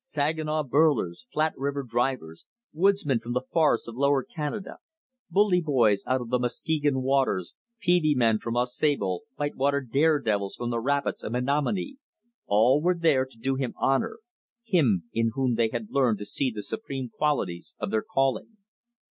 Saginaw birlers, Flat River drivers, woodsmen from the forests of Lower Canada, bully boys out of the Muskegon waters, peavey men from Au Sable, white water dare devils from the rapids of the Menominee all were there to do him honor, him in whom they had learned to see the supreme qualities of their calling.